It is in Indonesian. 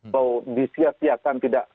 kalau disias siakan tidak